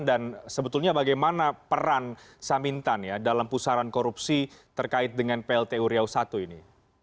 dan sebetulnya bagaimana peran samintan dalam pusaran korupsi terkait dengan pltu riau satu ini